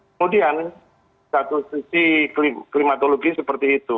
kemudian satu sisi klimatologi seperti itu